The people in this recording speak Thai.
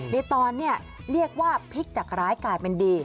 ในตอนนี้เรียกว่าพลิกจากร้ายกลายเป็นดี